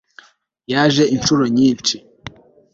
yaje inshuro nyinshi